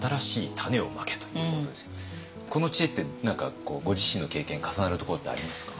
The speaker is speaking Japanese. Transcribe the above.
この知恵って何かご自身の経験重なるところってありますか？